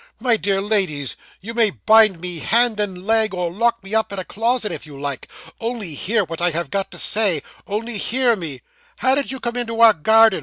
My dear ladies you may bind me hand and leg, or lock me up in a closet, if you like. Only hear what I have got to say only hear me.' 'How did you come in our garden?